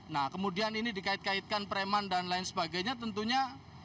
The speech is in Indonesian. nah kemudian ini dikait kaitkan preman dan lain sebagainya tentunya